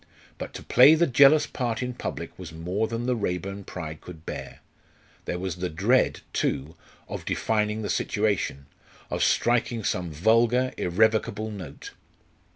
But to play the jealous part in public was more than the Raeburn pride could bear. There was the dread, too, of defining the situation of striking some vulgar irrevocable note.